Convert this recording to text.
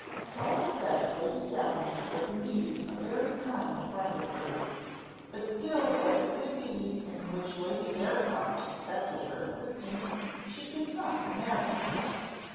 Helen said Lady Davenant was indeed a very kind friend of hers, but still what it could be in which Lady Bearcroft expected her assistance she could not imagine.